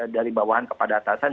dari bawahan kepada atasan